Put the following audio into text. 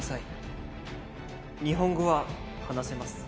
日本語は話せます。